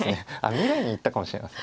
未来に行ったかもしれません。